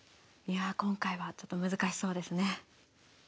いやあ今回はちょっと難しそうですね。